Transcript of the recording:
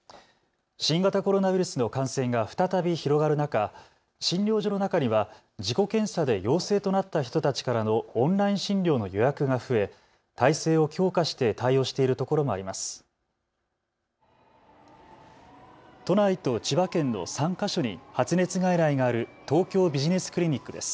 新型コロナウイルスの感染が再び広がる中、診療所の中には自己検査で陽性となった人たちからのオンライン診療の予約が増え体制を強化して対応しているところもあります。